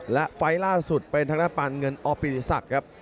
และไฟล์ล่าสุดเป็นทางด้านปานเงินอปิติศักดิ์ครับ